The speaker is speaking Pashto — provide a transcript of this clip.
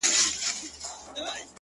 چي د وجود. په هر يو رگ کي دي آباده کړمه.